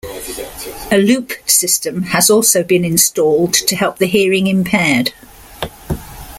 A loop system has also been installed to help the hearing impaired.